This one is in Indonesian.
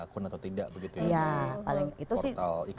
akun atau tidak